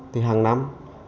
thì hàng năm